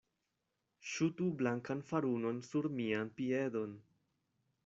Ŝutu blankan farunon sur mian piedon.